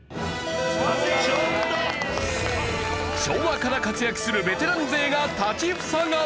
昭和から活躍するベテラン勢が立ちふさがる。